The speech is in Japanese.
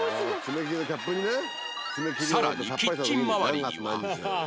さらにキッチンまわりには